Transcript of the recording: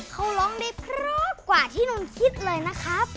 เขาร้องได้เพราะกว่าที่นนท์คิดเลยนะครับ